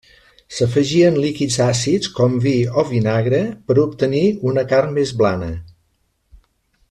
S'afegien líquids àcids com vi o vinagre per a obtenir una carn més blana.